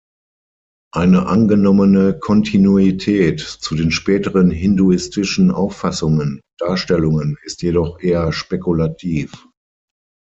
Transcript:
Eine angenommene Kontinuität zu den späteren hinduistischen Auffassungen und Darstellungen ist jedoch eher spekulativ.